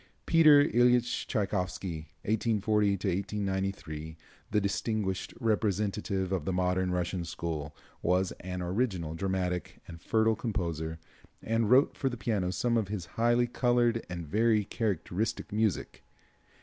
Peter Iljitch Tschaikowsky (1840 1893), the distinguished representative of the modern Russian school, was an original, dramatic and fertile composer and wrote for the piano some of his highly colored and very characteristic music.